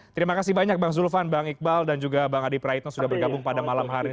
terima kasih banyak bang zulfan bang iqbal dan juga bang adi praitno sudah bergabung pada malam hari ini